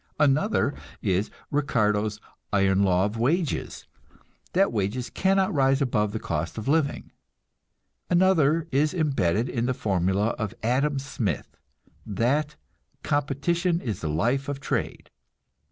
Another is Ricardo's "iron law of wages," that wages cannot rise above the cost of living. Another is embodied in the formula of Adam Smith, that "Competition is the life of trade."